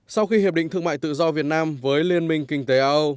sau khi hiệp định thương mại tự do việt nam với liên minh kinh tế a âu